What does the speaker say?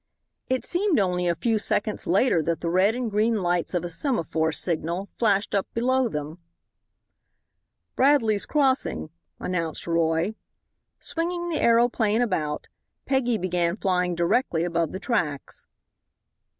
It seemed only a few seconds later that the red and green lights of a semaphore signal flashed up below them. "Bradley's Crossing," announced Roy. Swinging the aeroplane about, Peggy began flying directly above the tracks.